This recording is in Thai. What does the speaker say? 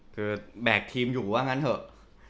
คือแบกทีมอยู่ว่างั้นเถอะ